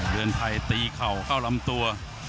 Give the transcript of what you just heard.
เรือนไทยตีเข่าเข้าลำตัว